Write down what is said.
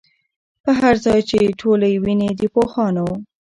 پر هر ځای چي ټولۍ وینی د پوهانو